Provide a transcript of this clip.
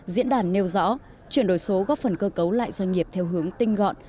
diễn đàn nêu rõ chuyển đổi số góp phần cơ cấu lại doanh nghiệp theo hướng tinh gọn